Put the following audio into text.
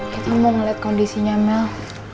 kita mau ngeliat kondisinya mel